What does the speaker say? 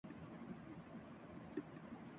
مجھے اسے download ہی نہیں کرنا چاہیے تھا